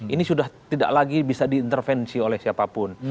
ini sudah tidak lagi bisa diintervensi oleh siapapun